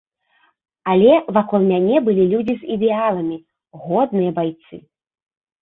Але вакол мяне былі людзі з ідэаламі, годныя байцы.